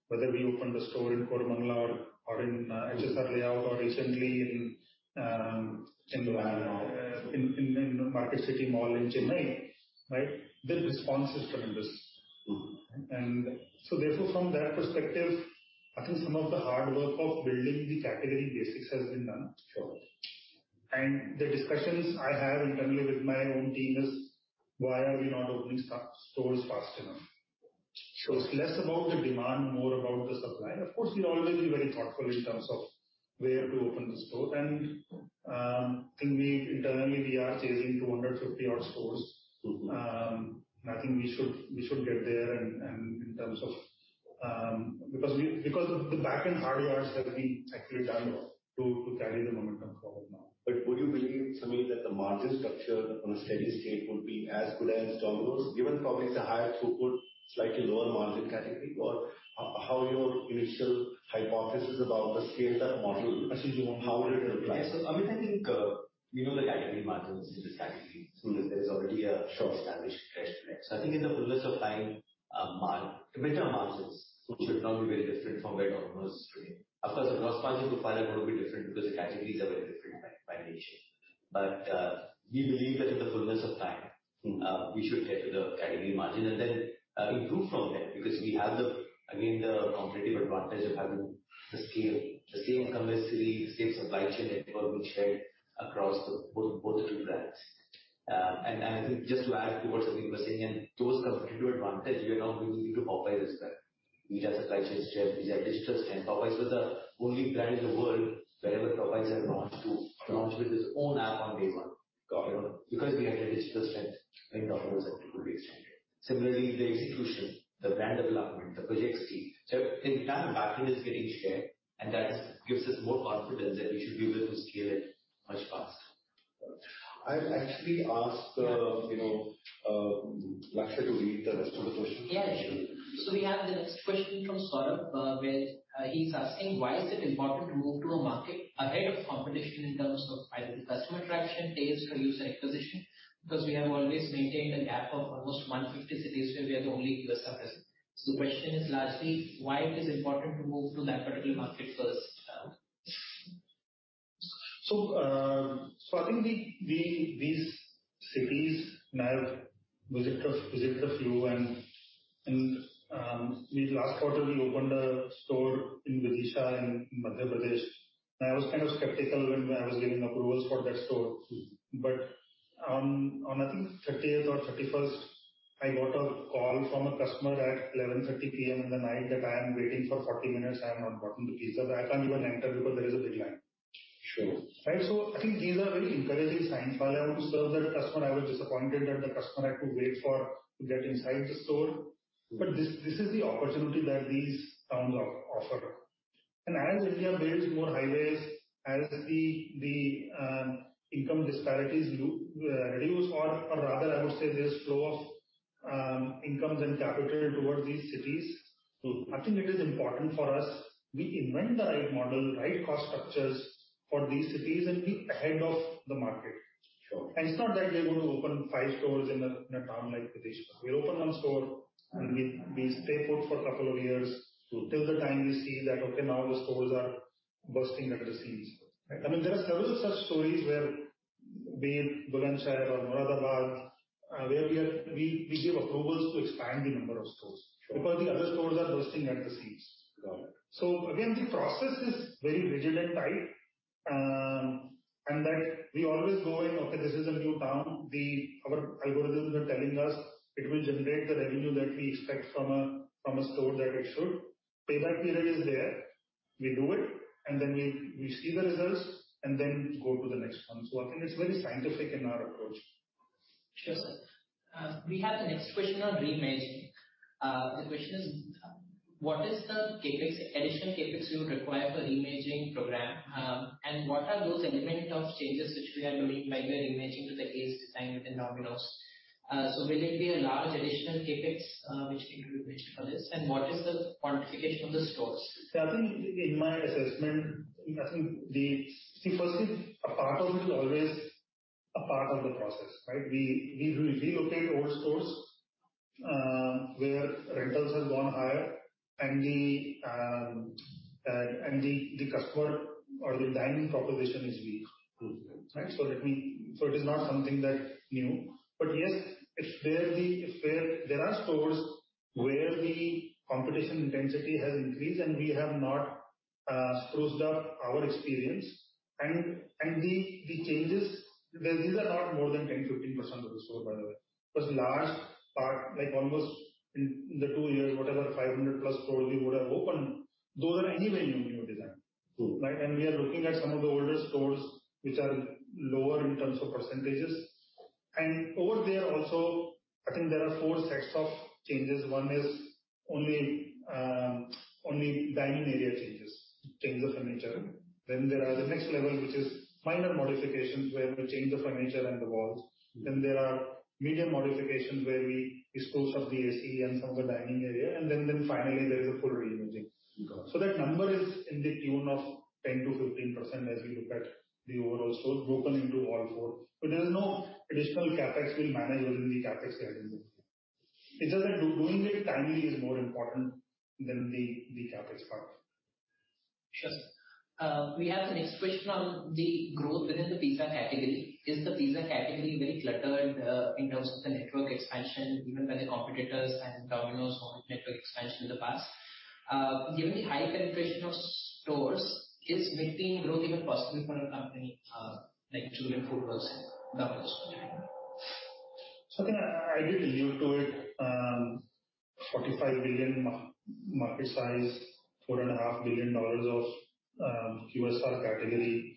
[SPEAKER 2] whether we opened a store in Koramangala or in HSR Layout or recently in.
[SPEAKER 1] In Chennai.
[SPEAKER 2] in Market City Mall in Chennai, right? The response is tremendous. Therefore, from that perspective, I think some of the hard work of building the category basics has been done.
[SPEAKER 1] Sure.
[SPEAKER 2] The discussions I have internally with my own team is why are we not opening stores fast enough? So it's less about the demand, more about the supply. Of course, we'll always be very thoughtful in terms of where to open the store. I think we internally are chasing 250 odd stores. I think we should get there. In terms of, because the backend hard yards have been actually done to carry the momentum forward now.
[SPEAKER 1] Would you believe, Sameer, that the margin structure on a steady state would be as good as Domino's, given probably it's a higher throughput, slightly lower margin category, or how your initial hypothesis about the scale up model.
[SPEAKER 2] Excuse me.
[SPEAKER 1] How would it apply?
[SPEAKER 2] Yeah. Amit, I think, we know the category margins in this category. There's already a well-established benchmark. I think in the fullness of time, better margins should not be very different from where Domino's is today. Of course, the gross margin profile are going to be different because the categories are very different by nature. We believe that in the fullness of time. We should get to the category margin and then improve from there because we have the, again, the competitive advantage of having the scale. The scale in commissary, the scale of supply chain network will be shared across the both the two brands. I think just to add to what Sameer was saying, and those competitive advantage, we are now bringing into Papa Johns brand. We have the franchise strength, we have digital strength. Papa Johns was the only brand in the world wherever Papa Johns had launched with its own app on day one.
[SPEAKER 1] Got it.
[SPEAKER 2] Because we had a digital strength when Domino's had to go re-exchange. Similarly, the institution, the brand development, the projects team. I think that backend is getting shared, and that gives us more confidence that we should be able to scale it much faster.
[SPEAKER 1] I'll actually ask, you know, Lakshya to read the rest of the question.
[SPEAKER 4] Yeah, sure. We have the next question from Saurabh, where he's asking, why is it important to move to a market ahead of competition in terms of either the customer traction, taste, or user acquisition? We have always maintained a gap of almost 150 cities where we are the only U.S. presence. The question is lastly, why it is important to move to that particular market first?
[SPEAKER 2] I think these cities have visitor flow we last quarter we opened a store in Vidisha in Madhya Pradesh. I was kind of skeptical when I was giving approvals for that store. On I think 30th or 31st, I got a call from a customer at 11:30 P.M. in the night that I am waiting for 40 minutes. I have not gotten the pizza. I can't even enter because there is a big line.
[SPEAKER 1] Sure.
[SPEAKER 2] Right? I think these are very encouraging signs. While I want to serve that customer, I was disappointed that the customer had to wait for, to get inside the store. This is the opportunity that these towns offer. As India builds more highways, as the income disparities reduce or rather I would say there's flow of incomes and capital towards these cities. I think it is important for us we invent the right model, right cost structures for these cities and be ahead of the market.
[SPEAKER 1] Sure.
[SPEAKER 2] It's not that we're going to open five stores in a, in a town like Vidisha. We'll open one store, and we stay put for a couple of years. till the time we see that, okay, now the stores are bursting at the seams. Right? I mean, there are several such stories where be it Bulandshahr or Moradabad, where we give approvals to expand the number of stores
[SPEAKER 1] Sure.
[SPEAKER 2] because the other stores are bursting at the seams.
[SPEAKER 1] Got it.
[SPEAKER 2] Again, the process is very rigid and tight, that we always go in, okay, this is a new town. Our algorithms are telling us it will generate the revenue that we expect from a store that it should. Payback period is there, we do it, then we see the results then go to the next one. I think it's very scientific in our approach.
[SPEAKER 4] Sure, sir. We have the next question on reimaging. The question is, what is the CapEx, additional CapEx you require for reimaging program? What are those element of changes which we are doing while we are reimaging to the case design within Domino's? Will it be a large additional CapEx, which for this? What is the quantification of the stores?
[SPEAKER 2] I think in my assessment, firstly, a part of it always a part of the process, right? We relocate old stores, where rentals have gone higher and the customer or the dining proposition is weak. Right? It is not something that new. Yes, it's where we, it's where there are stores where the competition intensity has increased and we have not spruced up our experience and the changes, these are not more than 10-15% of the store, by the way. Large part, like almost in the two years, whatever 500+ stores we would have opened, those are anyway new design.
[SPEAKER 1] Cool.
[SPEAKER 2] Right? We are looking at some of the older stores which are lower in terms of percentage. Over there also, I think there are four sets of changes. One is only dining area changes, change of furniture. There are the next level, which is minor modifications, where we change the furniture and the walls. There are medium modifications where we expose some of the AC and some of the dining area. Finally, there is a full reimaging.
[SPEAKER 1] Got it.
[SPEAKER 2] That number is in the tune of 10% to 15% as we look at the overall stores broken into all four. There's no additional CapEx. We'll manage within the CapEx we have in mind. It's just that doing it timely is more important than the CapEx part.
[SPEAKER 4] Sure. We have the next question on the growth within the pizza category. Is the pizza category very cluttered, in terms of the network expansion, even by the competitors and Domino's own network expansion in the past? Given the high penetration of stores, is maintaining growth even possible for a company, like Jubilant FoodWorks and Domino's for that matter?
[SPEAKER 2] I think I did allude to it, 45 billion market size, $4.5 billion of QSR category.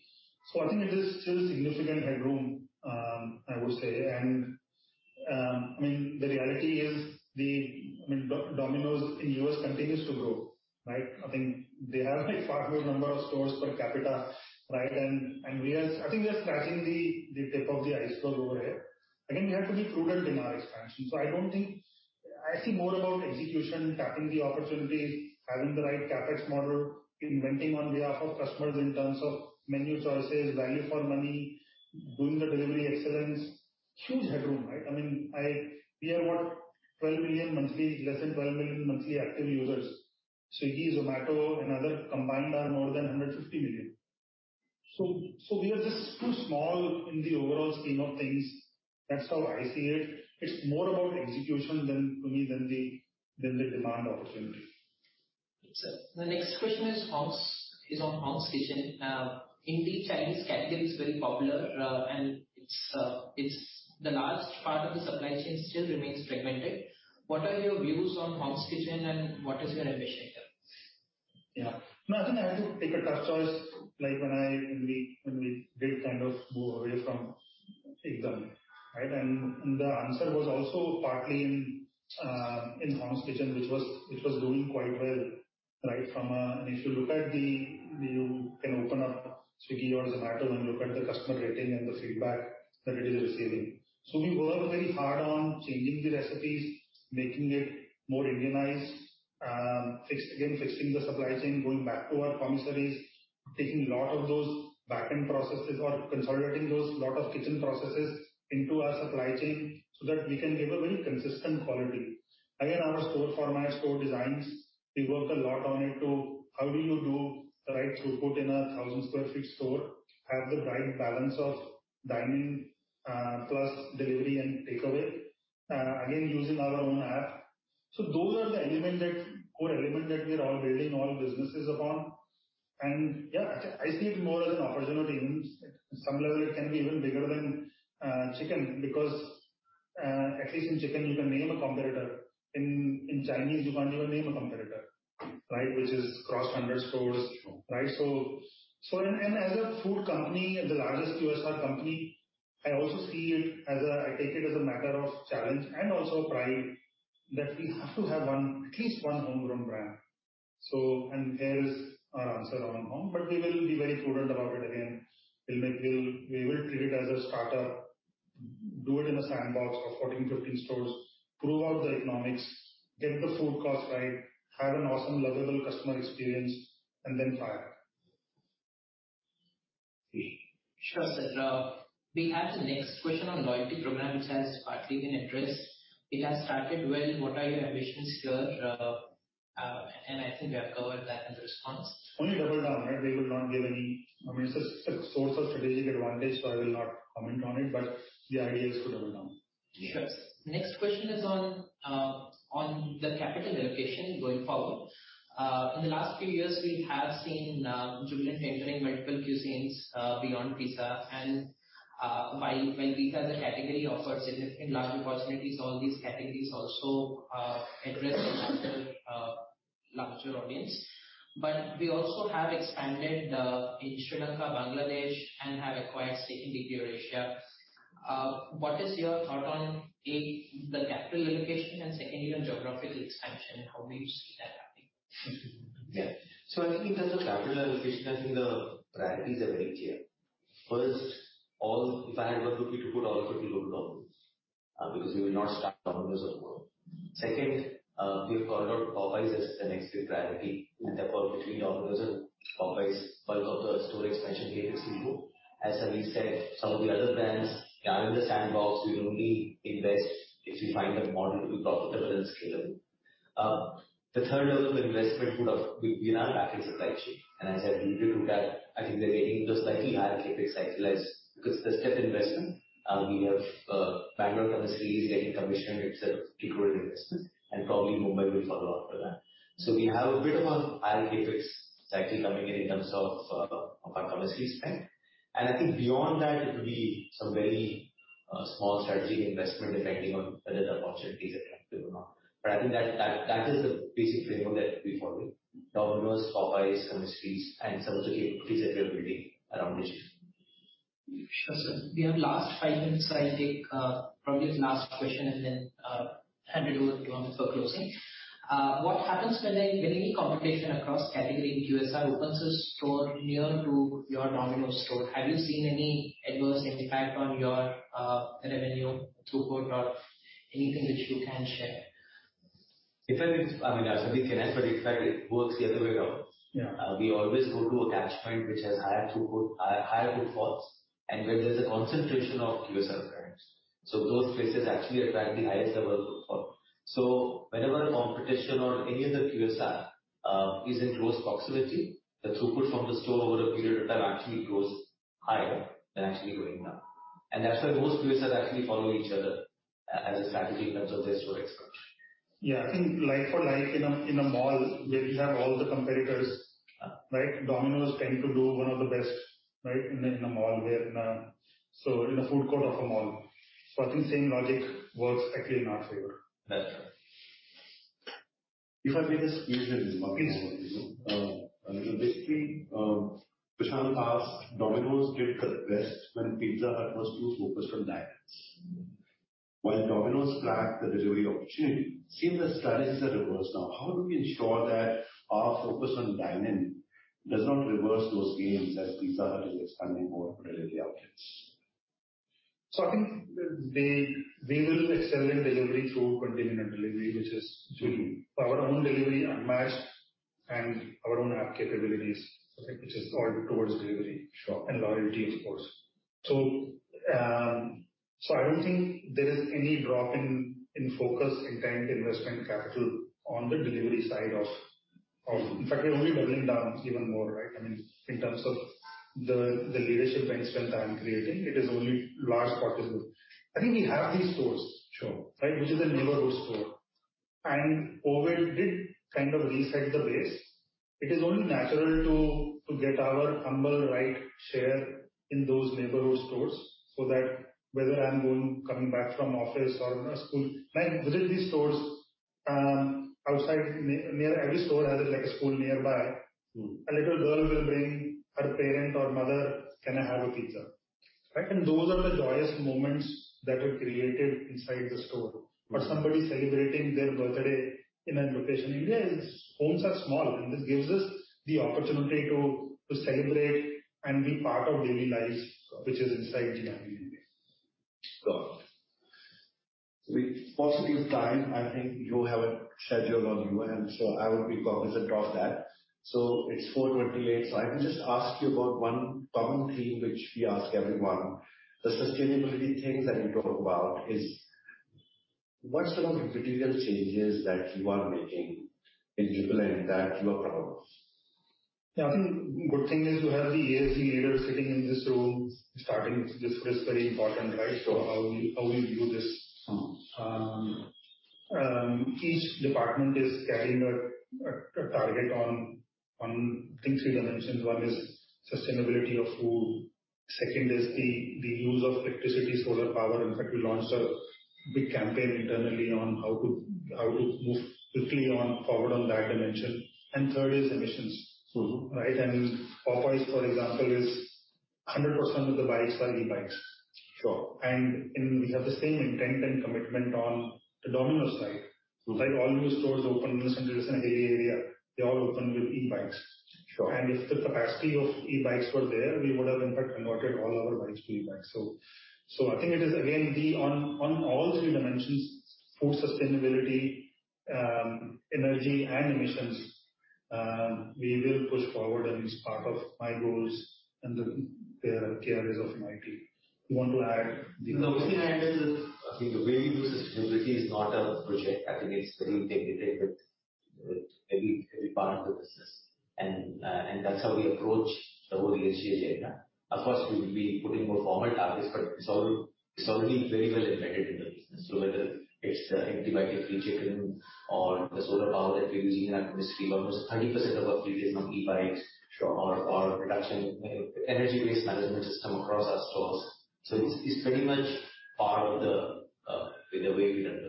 [SPEAKER 2] I think it is still significant headroom, I would say. I mean, the reality is the, I mean, Domino's in U.S. continues to grow, right? I think they have a far greater number of stores per capita, right? I think we are scratching the tip of the iceberg over here. Again, we have to be prudent in our expansion. I don't think... I see more about execution, tapping the opportunity, having the right CapEx model, inventing on behalf of customers in terms of menu choices, value for money, doing the delivery excellence. Huge headroom, right? I mean, We have what? 12 million monthly, less than 12 million monthly active users. Swiggy, Zomato and other combined are more than 150 million. We are just too small in the overall scheme of things. That's how I see it. It's more about execution than maybe than the, than the demand opportunity.
[SPEAKER 4] Sir, the next question is on Hong's Kitchen. Indian Chinese category is very popular, and it's the large part of the supply chain still remains fragmented. What are your views on Hong's Kitchen and what is your ambition here?
[SPEAKER 2] Yeah. No, I think I had to take a tough choice, like when I, when we, when we did kind of move away from Ekdum!, right? The answer was also partly in Hong's Kitchen, which was, it was doing quite well, right from a. If you look at the, you can open up Swiggy or Zomato and look at the customer rating and the feedback that it is receiving. We worked very hard on changing the recipes, making it more Indianized, again, fixing the supply chain, going back to our commissaries, taking a lot of those back-end processes or consolidating those lot of kitchen processes into our supply chain so that we can give a very consistent quality. Our store format, store designs, we work a lot on it to how do you do the right throughput in a 1,000 sq ft store, have the right balance of dine-in, plus delivery and takeaway, again, using our own app. Those are the core element that we are building all businesses upon. Yeah, I see it more as an opportunity. In some level it can be even bigger than chicken because at least in chicken you can name a competitor. In Chinese you can't even name a competitor, right? Which is across 100 stores, right? As a food company and the largest QSR company, I also see it as a I take it as a matter of challenge and also pride that we have to have one, at least one homegrown brand. There is our answer on Hong, but we will be very prudent about it again. We will treat it as a startup, do it in a sandbox of 14-15 stores, prove out the economics, get the food cost right, have an awesome, lovable customer experience, and then fire.
[SPEAKER 4] Sure, sir. We have the next question on loyalty program, which has partly been addressed. It has started well. What are your ambitions here? I think we have covered that in the response.
[SPEAKER 2] Only double down, right? I mean, it's a source of strategic advantage. I will not comment on it. The idea is to double down.
[SPEAKER 4] Sure. Next question is on the capital allocation going forward. In the last few years, we have seen Jubilant entering multiple cuisines beyond pizza and, while pizza as a category offers significant larger possibilities, all these categories also address a larger audience. We also have expanded in Sri Lanka, Bangladesh, and have acquired stake in DP Eurasia. What is your thought on, A, the capital allocation, and second, even geographical expansion? How do you see that happening?
[SPEAKER 3] I think in terms of capital allocation, I think the priorities are very clear. First, all, if I had 1 to put, all of it will go to Domino's because we will not stop Domino's at all. Second, we have thought about Popeyes as the next big priority, and therefore between Domino's and Popeyes, bulk of the store expansion CapEx will go. As Sunil said, some of the other brands are in the sandbox. We will only invest if we find a model which we thought was relevant and scalable. The third level of investment would with, in our backend supply chain. As I alluded to that, I think they're getting a slightly higher CapEx cycle as because it's a step investment. We have Bangalore commissaries getting commissioned itself, equal investment, probably Mumbai will follow after that. We have a bit of a higher CapEx cycle coming in terms of our commissaries spend. I think beyond that it will be some very small strategic investment depending on whether the opportunity is attractive or not. I think that is the basic framework that we follow. Domino's, Popeyes, commissaries and some of the capabilities that we are building around digital.
[SPEAKER 4] Sure, sir. We have last five minutes. I'll take probably the last question. Hand it over to you for closing. What happens when any competition across category in QSR opens a store near to your Domino's store? Have you seen any adverse impact on your revenue throughput or anything that you can share?
[SPEAKER 3] In fact, it's, I mean, I certainly cannot, but in fact it works the other way around.
[SPEAKER 2] Yeah.
[SPEAKER 3] We always go to a catch point which has higher throughput, higher footfalls, and where there's a concentration of QSR brands. Those places actually attract the highest level of footfall. Whenever a competition or any other QSR is in close proximity, the throughput from the store over a period of time actually grows higher than actually going down. That's why most QSRs actually follow each other as a strategy in terms of their store expansion.
[SPEAKER 2] Yeah, I think like for like in a mall where we have all the competitors, right? Domino's tend to do one of the best, right? In a food court of a mall. I think same logic works actually in our favor.
[SPEAKER 3] That's right.
[SPEAKER 1] Prashant asked, Domino's did the best when Pizza Hut was too focused on dine-ins. While Domino's cracked the delivery opportunity, seems the strategies are reversed now. How do we ensure that our focus on dine-in does not reverse those gains as Pizza Hut is expanding more delivery outlets?
[SPEAKER 2] I think they will excel in delivery through continuing their delivery, which is true. Our own delivery unmatched and our own app capabilities, I think, which is all towards delivery.
[SPEAKER 1] Sure.
[SPEAKER 2] Loyalty of course. I don't think there is any drop in focus and time to investment capital on the delivery side of. In fact, we're only doubling down even more, right? I mean, in terms of the leadership bench strength I'm creating, it is only large part is good. I think we have these stores.
[SPEAKER 1] Sure.
[SPEAKER 2] Right? Which is a neighborhood store. COVID did kind of reset the base. It is only natural to get our humble right share in those neighborhood stores so that whether I'm going, coming back from office or school, like within these stores, outside near every store has like a school nearby. A little girl will bring her parent or mother, "Can I have a pizza?" Right? Those are the joyous moments that are created inside the store. Somebody celebrating their birthday in a location. India's homes are small, and this gives us the opportunity to celebrate and be part of daily lives, which is inside the family unit.
[SPEAKER 1] Got it. With possibly with time, I think you have a schedule on you. I would be cognizant of that. It's 4:28. I will just ask you about one common theme which we ask everyone. The sustainability things that you talk about is what sort of material changes that you are making in Jubilant that you are proud of?
[SPEAKER 2] Yeah, I think good thing is you have the ASC leader sitting in this room starting this very important, right? How we, how we view this.
[SPEAKER 1] Sure.
[SPEAKER 2] Each department is carrying a target on I think 3 dimensions. one is sustainability of food, two is the use of electricity, solar power. In fact, we launched a big campaign internally on how to move quickly on forward on that dimension. 3 is emissions. Right? Popeyes, for example, is 100% of the bikes are e-bikes.
[SPEAKER 1] Sure
[SPEAKER 2] We have the same intent and commitment on the Domino's side. Like all new stores opening, recently there's in Delhi area, they all open with e-bikes.
[SPEAKER 1] Sure.
[SPEAKER 2] If the capacity of e-bikes were there, we would have in fact converted all our bikes to e-bikes. I think it is again, on all three dimensions, food sustainability, energy and emissions, we will push forward and it's part of my goals and the KRAs of my team. You want to add?
[SPEAKER 3] Only thing I added is I think the way we do sustainability is not a project. I think it's very integrated with every part of the business, and that's how we approach the whole ESG agenda. Of course, we will be putting more formal targets, but it's already very well embedded in the business. Whether it's the antibiotic free chicken or the solar power that we're using in our industry, almost 30% of our fleet is on e-bikes.
[SPEAKER 1] Sure.
[SPEAKER 3] Our reduction, energy waste management system across our stores. It's very much part of the way we run the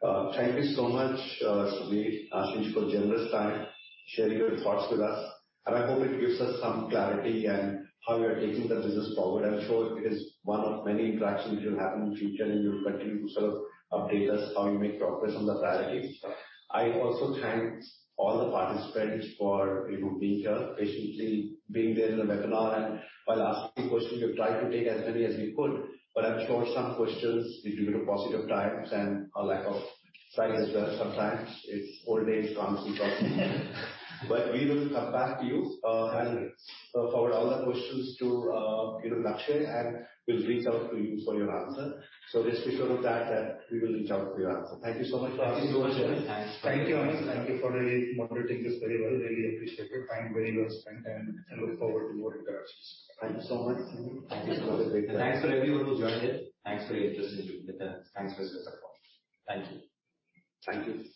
[SPEAKER 3] business.
[SPEAKER 1] Great. Thank you so much, Sumeet, Ashish, for generous time, sharing your thoughts with us. I hope it gives us some clarity in how you are taking the business forward. I'm sure it is one of many interactions which will happen in future, and you'll continue to sort of update us how you make progress on the priorities.
[SPEAKER 2] Sure.
[SPEAKER 1] I also thank all the participants for, you know, being here, patiently being there in the webinar and while asking questions. We have tried to take as many as we could, but I'm sure some questions due to bit of paucity of times and a lack of time as well, sometimes it's old age comes across. We will come back to you, and forward all the questions to, you know, Akshay, and we'll reach out to you for your answer. Rest be sure of that we will reach out for your answer. Thank you so much for asking your questions.
[SPEAKER 3] Thank you so much.
[SPEAKER 1] Thank you, Ashish. Thank you for moderating this very well. Really appreciate your time, the way you have spent, and look forward to more interactions.
[SPEAKER 2] Thank you so much.
[SPEAKER 3] Thank you. Thanks for everyone who joined in. Thanks for your interest in Jubilant. Thanks for your support.
[SPEAKER 1] Thank you. Thank you.